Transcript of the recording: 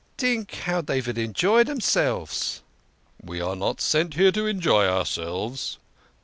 But dink how dey vould enjoy deirselves !" "We are not sent here to enjoy ourselves."